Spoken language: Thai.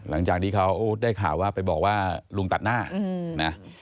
หลังจากที่เขาได้ข่าวว่าไปบอกว่าลุงตัดหน้านะ